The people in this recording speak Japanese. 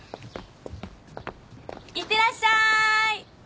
いってらっしゃい。